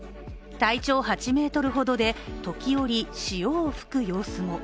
体長８ｍほどで、時折、潮をふく様子も。